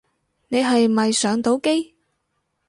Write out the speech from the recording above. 你係咪上到機